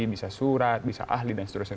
bisa surat bisa ahli dan seterusnya